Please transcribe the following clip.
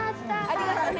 ありがとね。